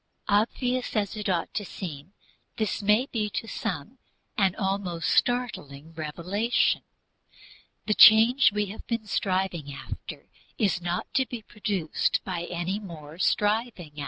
Obvious as it ought to seem, this may be to some an almost startling revelation. The change we have been striving after is not to be produced by any more striving.